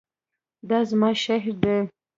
دا زما شعر دی